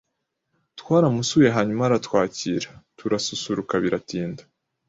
Twaramusuye hanyuma aratwakira turasusuruka biratinda.